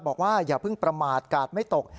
บอกว่าอย่าพึ่งประมาทกาดไม่ตก